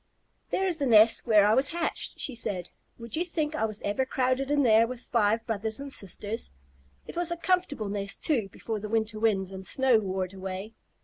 "There is the nest where I was hatched," she said. "Would you think I was ever crowded in there with five brothers and sisters? It was a comfortable nest, too, before the winter winds and snow wore it away.